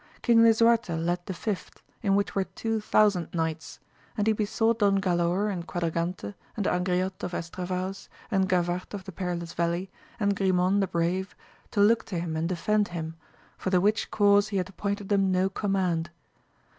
King Lisuarte led the fifth, in which were two thou sand knights, and he besought Don Galaor and Quad* ragante, and Angriote of Estravaus, and Gavarte of the Perilous Valley, and Grimon the Brave, to look to him and defend him, for the which cause he had appointed them no command.